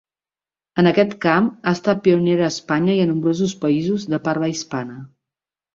En aquest camp, ha estat pionera a Espanya i a nombrosos països de parla hispana.